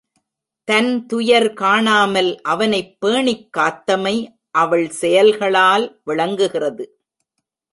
தன் துயர் காணாமல் அவனைப் பேணிக் காத்தமை அவள் செயல்களால் விளங்குகிறது.